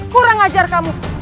kurang ajar kamu